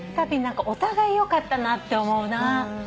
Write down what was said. お互いよかったなって思うな。